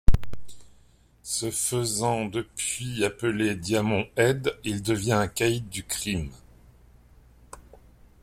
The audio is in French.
Se faisant depuis appeler Diamondhead, il devient un caid du crime.